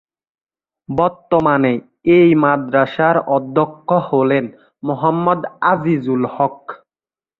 বর্তমানে এই মাদ্রাসার অধ্যক্ষ হলেন মোহাম্মদ আজিজুল হক।